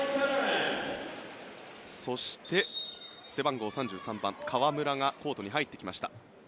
そして、背番号３３番河村がコートに入ってきました。